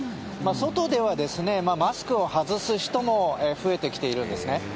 外ではマスクを外す人も増えてきているんですね。